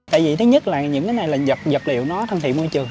tại vì thứ nhất là những cái này là dập liệu nó thân thị môi trường